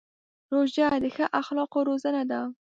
روژه د ښو اخلاقو روزنه ده.